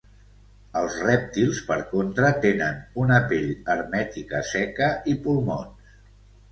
Els rèptils, per contra, tenen una pell hermètica seca i pulmons.